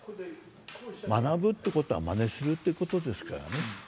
学ぶってことはまねするってことですからね。